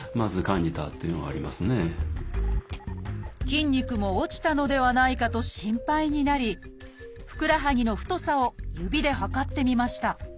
筋肉も落ちたのではないかと心配になりふくらはぎの太さを指で測ってみました。